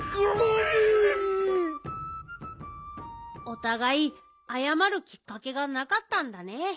おたがいあやまるきっかけがなかったんだね。